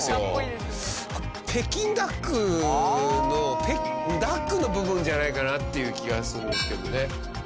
北京ダックのダックの部分じゃないかなっていう気はするんですけどね。